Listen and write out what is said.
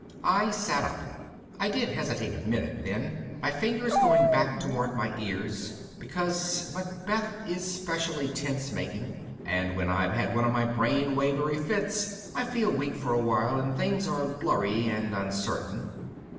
I sat up. I did hesitate a minute then, my fingers going back toward my ears, because Macbeth is specially tense making and when I've had one of my mind wavery fits I feel weak for a while and things are blurry and uncertain.